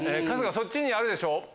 春日そっちにあるでしょ？